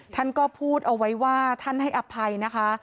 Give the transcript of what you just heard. ท่านก็พูดเอาไว้ว่าท่านให้อภัยนะคะ